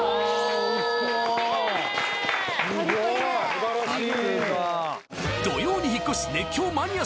素晴らしい！